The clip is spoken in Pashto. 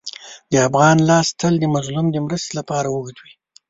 د افغان لاس تل د مظلوم د مرستې لپاره اوږد وي.